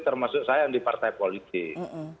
termasuk saya yang di partai politik